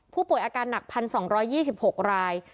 ผู้ป่วยอาการหนัก๑๒๒๖ราย